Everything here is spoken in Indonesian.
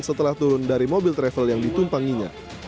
setelah turun dari mobil travel yang ditumpanginya